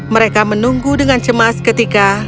mereka menunggu dengan cemas ketika